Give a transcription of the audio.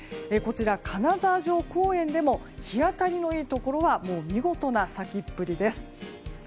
こちら、金沢城公園でも日当たりのいいところは見事な咲きっぷりです。